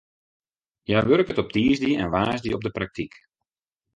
Hja wurket op tiisdei en woansdei op de praktyk.